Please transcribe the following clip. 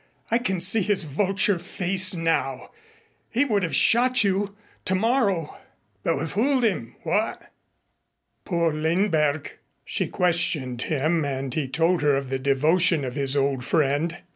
"I can see his vulture face now. He would have shot you tomorrow!" "But we fooled him what? Poor Lindberg!" She questioned him and he told her of the devotion of his old friend.